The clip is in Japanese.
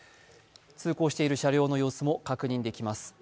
通行している車両の様子も確認できます。